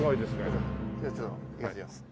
じゃあちょっといきます。